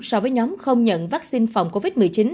so với nhóm không nhận vaccine phòng covid một mươi chín